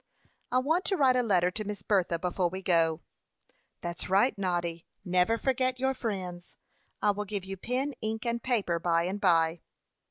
"I want to write a letter to Miss Bertha before we go." "That's right, Noddy; never forget your friends. I will give you pen, ink, and paper, by and by."